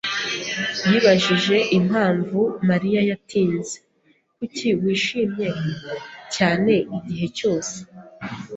yibajije impamvu Mariya yatinze. Kuki wishimye cyane igihe cyose?